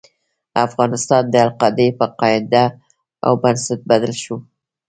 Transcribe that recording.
افغانستان د القاعدې په قاعده او بنسټ بدل شو.